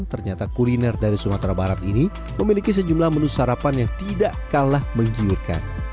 ternyata kuliner dari sumatera barat ini memiliki sejumlah menu sarapan yang tidak kalah menggiurkan